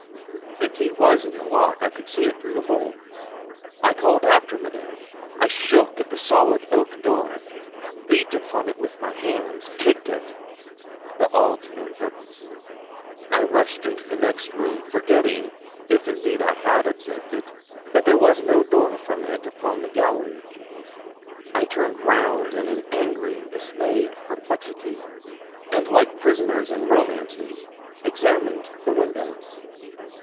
The key was in the lock; I could see it through the hole. I called after Madame, I shook at the solid oak door, beat upon it with my hands, kicked it but all to no purpose. I rushed into the next room, forgetting if indeed I had observed it, that there was no door from it upon the gallery. I turned round in an angry and dismayed perplexity, and, like prisoners in romances, examined the windows.